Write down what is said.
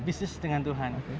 bisnis dengan tuhan